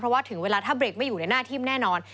เพราะว่าถึงเวลาถ้าเบรกไม่อยู่ในหน้าทิ้มแน่นอน